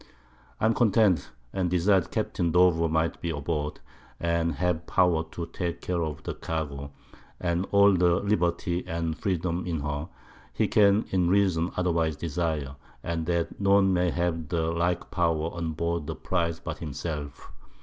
I am content, and desire Capt._ Dover _may be aboard, and have Power to take Care of the Cargo, and all the Liberty and Freedom in her, he can in reason otherwise desire, and that none may have the like Power on board the Prize but himself.